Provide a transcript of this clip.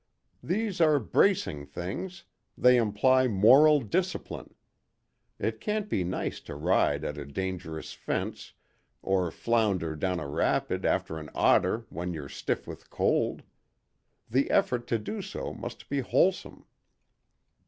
These are bracing things; they imply moral discipline. It can't be nice to ride at a dangerous fence, or flounder down a rapid after an otter when you're stiff with cold. The effort to do so must be wholesome."